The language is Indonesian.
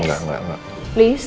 enggak enggak enggak